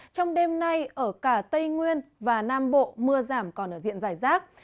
trong đêm nay ở cả tây nguyên và nam bộ mưa giảm còn ở diện giải rác